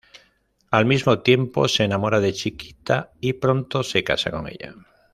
Al mismo tiempo se enamora de Chiquita y pronto se casa con ella.